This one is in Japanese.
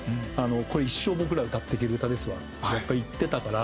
「これ一生僕ら歌っていける歌ですわ」ってやっぱり言ってたから。